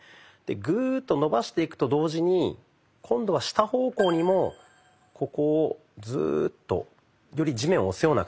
グーッと伸ばしていくと同時に今度は下方向にもここをズーッとより地面を押すような形ですね。